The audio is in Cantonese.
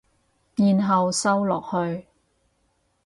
然後掃落去